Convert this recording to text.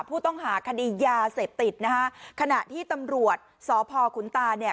ผู้ต้องหาคดียาเสพติดนะฮะขณะที่ตำรวจสพขุนตาเนี่ย